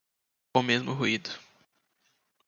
O mesmo ruído